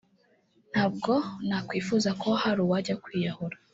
nta bwo nakwifuza ko hari uwajya kwiyahura